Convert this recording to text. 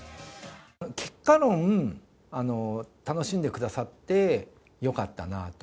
結果論、楽しんでくださってよかったなと。